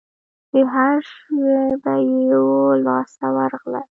چي هرشی به یې وو لاس ته ورغلی